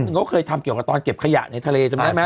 นั่นเขาเคยทำเกี่ยวกับตอนเก็บขยะในทะเลจำนั้นไหม